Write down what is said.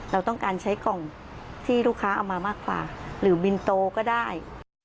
เราต้องการใช้กล่องที่ลูกค้าเอามามากกว่าหรือบินโตก็ได้